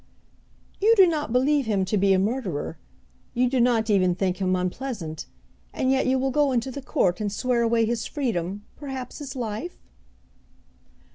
"You do not believe him to be a murderer, you do not even think him unpleasant, and yet you will go into the court and swear away his freedom perhaps his life?"